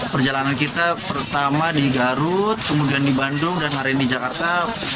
perjalanan kita pertama di garut kemudian di bandung dan hari ini di jakarta